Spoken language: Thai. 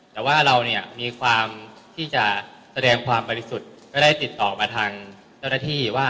แต่ว่าเราเนี่ยมีความที่จะแสดงความบริสุทธิ์ก็ได้ติดต่อมาทางเจ้าหน้าที่ว่า